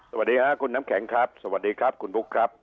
สวัสดีค่ะคุณน้ำแข็งครับสวัสดีครับคุณบุ๊คครับ